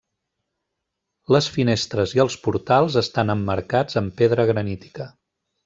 Les finestres i els portals estan emmarcats amb pedra granítica.